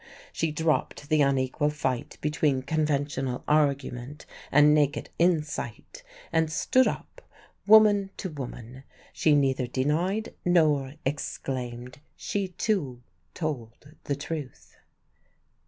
She dropped the unequal fight between conventional argument and naked insight, and stood up, woman to woman. She neither denied nor exclaimed. She too told the truth.